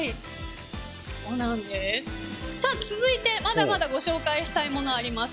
続いて、まだまだご紹介したいものあります。